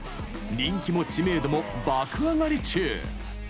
人気も知名度も爆上がり中。